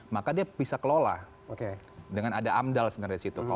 maka dia bisa kelola dengan ada amdal sebenarnya di situ